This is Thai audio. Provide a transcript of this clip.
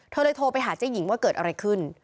เธอเลยโทรไปหาเจ๊หญิงว่าเกิดอะไรขึ้น